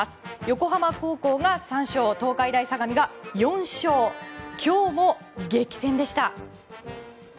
横浜高校が３勝東海大相模が４勝今日も激戦でした。